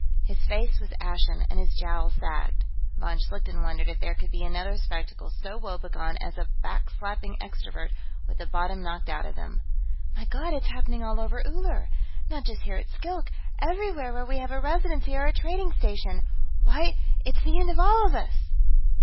His face was ashen, and his jowls sagged. Von Schlichten wondered if there could be another spectacle so woe begone as a back slapping extrovert with the bottom knocked out of him. "My God, it's happening all over Uller! Not just here at Skilk; everywhere where we have a residency or a trading station. Why, it's the end of all of us!"